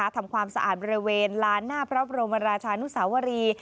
ทำความสะอาดบริเวณลานหน้าพระบรมราชานุสาวรี